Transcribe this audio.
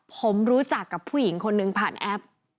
ผมรู้จักกับผู้หญิงคนนึงผ่านแอป